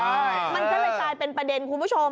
มันก็เลยกลายเป็นประเด็นคุณผู้ชม